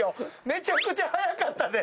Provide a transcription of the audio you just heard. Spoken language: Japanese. めちゃくちゃ早かったで。